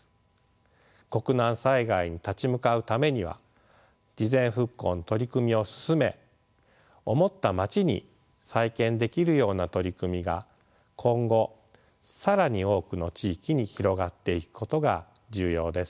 国難災害に立ち向かうためには事前復興の取り組みを進め思ったまちに再建できるような取り組みが今後更に多くの地域に広がっていくことが重要です。